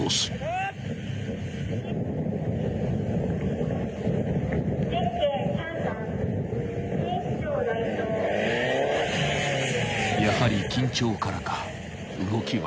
［やはり緊張からか動きは硬い］